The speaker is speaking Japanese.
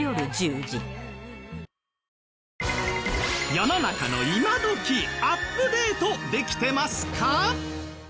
世の中の今どきアップデートできてますか？